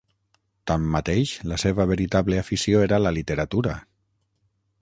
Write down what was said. Tanmateix, la seva veritable afició era la literatura.